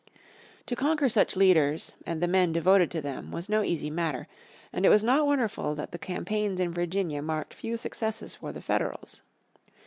To conquer such leaders, and the men devoted to them, was no easy matter, and it was not wonderful that the campaigns in Virginia marked few successes for the Federals.